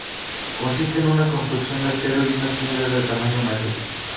Consiste de una construcción de acero y una tienda de tamaño mayor.